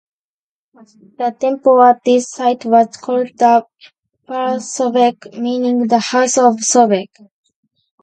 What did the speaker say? The temple at this site was called the "Per-Sobek", meaning the "house of Sobek".